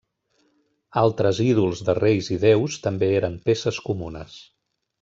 Altres ídols de reis i déus també eren peces comunes.